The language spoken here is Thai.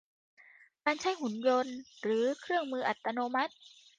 การใช้หุ่นยนต์หรือเครื่องมืออัตโนมัติ